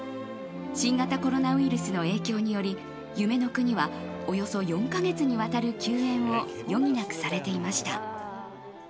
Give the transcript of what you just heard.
新型コロナウイルスの影響により夢の国はおよそ４か月にわたる休園を余儀なくされていました。